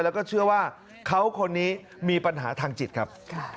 แล้วก็เชื่อว่าเขาคนนี้มีปัญหาทางจิตครับ